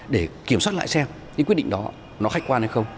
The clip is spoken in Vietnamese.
để kiểm soát lại xem những quyết định đó nó khách quan hay không